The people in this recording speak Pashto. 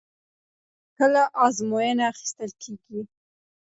کله ازموینه اخیستل کېږي؟